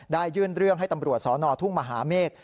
ยื่นเรื่องให้ตำรวจสนทุ่งมหาเมฆ